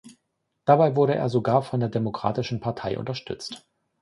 Dabei wurde er sogar von der Demokratischen Partei unterstützt.